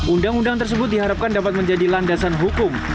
undang undang tersebut diharapkan dapat menjadi landasan hukum